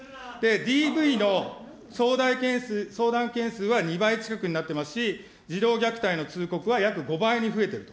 ＤＶの相談件数は２倍近くになっていますし、児童虐待の通告は、約５倍に増えてると。